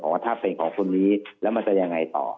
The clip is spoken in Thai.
ว่าถ้าเป็นของคนนี้แล้วมันจะยังไงต่อ